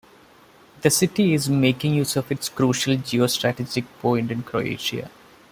The city is making use of its crucial geostrategic point in Croatia.